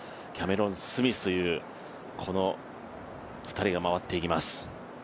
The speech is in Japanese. キャメロン・スミスというこの２人が回っていきます。